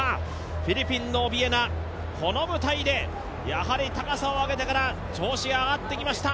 フィリピンのオビエナ、この舞台でやはり高さを上げてから調子が上がってきました